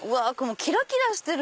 キラキラしてる！